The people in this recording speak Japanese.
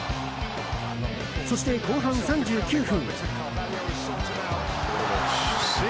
そして後半３９分。